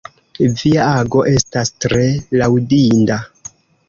Via ago estas tre laŭdinda.